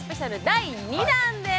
第２弾です！